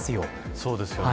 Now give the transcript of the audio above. そうですよね。